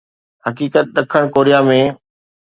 حقيقت ڏکڻ ڪوريا ۾.